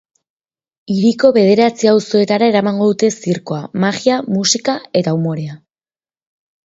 Hiriko bederatzi auzoetara eramango dute zirkoa, magia, musika eta umorea.